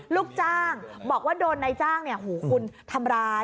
ลูกจ้างบอกว่าโดนนายจ้างคุณทำร้าย